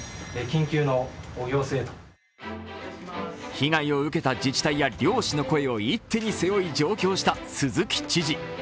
被害を受けた自治体や漁師の声を一手に背負い上京した鈴木知事。